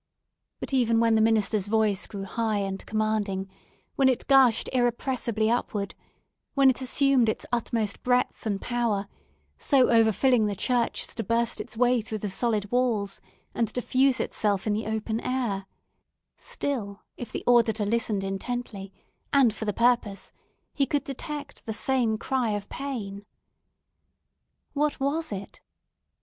But even when the minister's voice grew high and commanding—when it gushed irrepressibly upward—when it assumed its utmost breadth and power, so overfilling the church as to burst its way through the solid walls, and diffuse itself in the open air—still, if the auditor listened intently, and for the purpose, he could detect the same cry of pain. What was it?